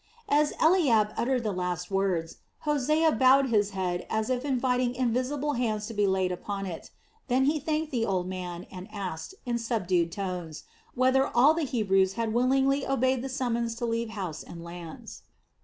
As Eliab uttered the last words, Hosea bowed his head as if inviting invisible hands to be laid upon it. Then he thanked the old man and asked, in subdued tones, whether all the Hebrews had willingly obeyed the summons to leave house and lands.